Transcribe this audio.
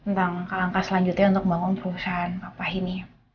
tentang langkah langkah selanjutnya untuk membangun perusahaan apa ini